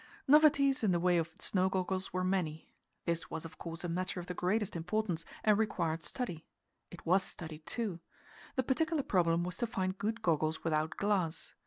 Novelties in the way of snow goggles were many. This was, of course, a matter of the greatest importance and required study it was studied, too! The particular problem was to find good goggles without glass.